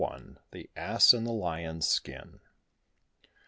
THE ASS IN THE LION'S SKIN.